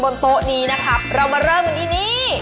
บนโต๊ะนี้นะครับเรามาเริ่มกันที่นี่